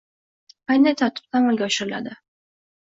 qanday tartibda amalga oshiriladi?